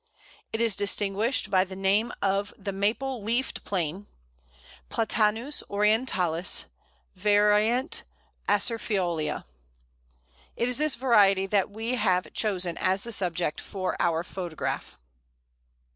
It is distinguished by the name of the Maple leaved Plane (Platanus orientalis, var. acerifolia). It is this variety we have chosen as the subject for our photograph.